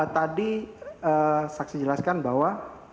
tadi saksi jelaskan bahwa